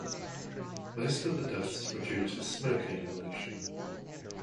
Most of the deaths were due to smoke inhalation.